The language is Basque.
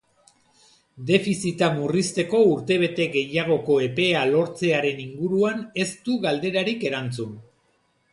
Defizita murrizteko urtebete gehiagoko epea lortzearen inguruan ez du galderarik erantzun.